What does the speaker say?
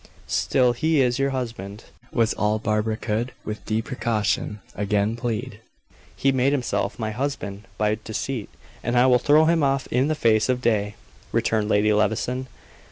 "Still he is your husband," was all Barbara could, with deprecation, again plead. "He made himself my husband by deceit, and I will throw him off in the face of day," returned Lady Levison.